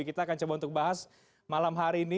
kita akan coba untuk bahas malam hari ini